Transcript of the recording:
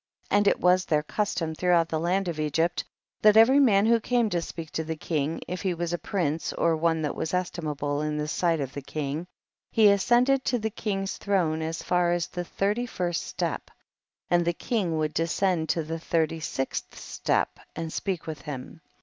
44. And it was their custom throughout the land of Egypt, that every man who came to speak to the king, if he was a prince or one that was estimable in the sight of the king, he ascended to the king's throne as far as the thirty first step, and the king would descend to the thirty sixth step, and speak with him.